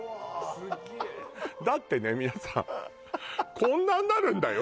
すげえだってね皆さんこんなんなるんだよ